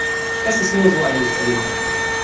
Es ist nur so ein Gefühl.